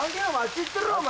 行ってろお前。